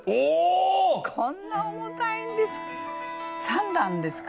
こんな重たいんですか。